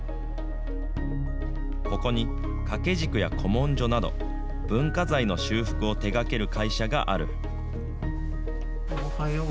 ここに掛け軸や古文書など、文化財の修復を手がける会社がある。